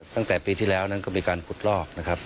ตั้งแต่ปีที่แล้วนั้นก็มีการขุดลอกนะครับ